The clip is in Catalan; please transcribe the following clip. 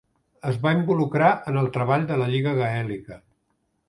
Es va involucrar en el treball de la Lliga Gaèlica.